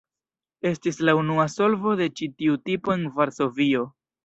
Estis la unua solvo de ĉi tiu tipo en Varsovio.